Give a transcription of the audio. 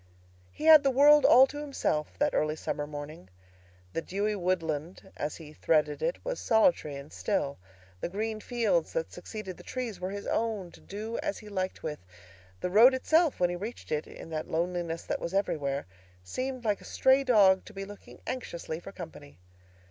He had the world all to himself, that early summer morning. The dewy woodland, as he threaded it, was solitary and still: the green fields that succeeded the trees were his own to do as he liked with; the road itself, when he reached it, in that loneliness that was everywhere, seemed, like a stray dog, to be looking anxiously for company.